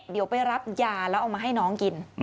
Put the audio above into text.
เดี๋ยวไปรับยาแล้วเอามาให้น้องกิน